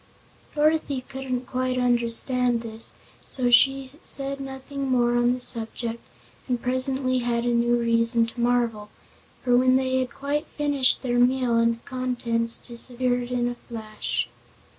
Dorothy couldn't quite understand this, so she said nothing more on the subject and presently had a new reason to marvel. For when they had quite finished their meal table and contents disappeared in a flash.